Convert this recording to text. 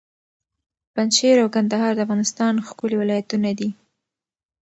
پنجشېر او کندهار د افغانستان ښکلي ولایتونه دي.